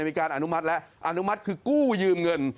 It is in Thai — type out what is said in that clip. มีการอนุมัติแล้วอนุมัติคือกู้ยืมเงิน